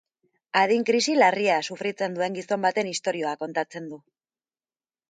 Adin krisi larria sufritzen duen gizon baten istorioa kontatzen du.